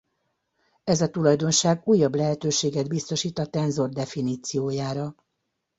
Ez a tulajdonság újabb lehetőséget biztosít a tenzor definíciójára.